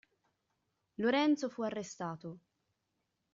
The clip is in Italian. Lorenzo fu arrestato.